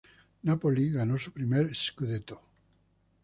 Napoli ganó su primer "scudetto".